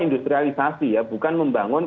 industrialisasi ya bukan membangun